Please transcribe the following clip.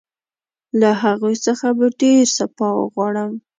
له هغوی څخه به ډېر سپاه وغواړم.